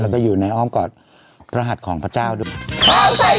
แล้วก็อยู่ในอ้อมกอดพระหัสของพระเจ้าด้วย